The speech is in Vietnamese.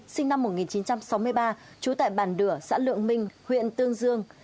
sinh năm một nghìn chín trăm sáu mươi ba trú tại bản đửa xã lượng minh huyện tương dương